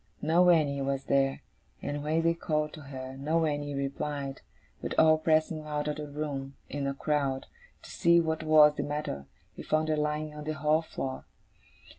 No Annie was there; and when they called to her, no Annie replied. But all pressing out of the room, in a crowd, to see what was the matter, we found her lying on the hall floor.